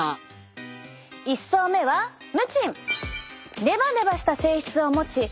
１層目はムチン。